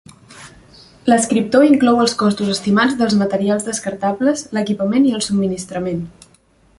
L'escriptor inclou els costos estimats dels materials descartables, l'equipament i el subministrament.